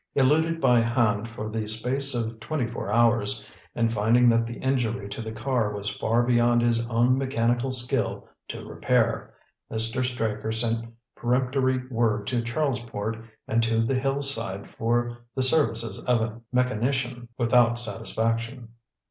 Eluded by Hand for the space of twenty four hours, and finding that the injury to the car was far beyond his own mechanical skill to repair, Mr. Straker sent peremptory word to Charlesport and to the Hillside for the services of a mechanician, without satisfaction.